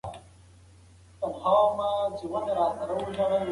ژیړبخون لم د وریجو په سر په داسې ډول ایښودل شوی و چې ښکارېده.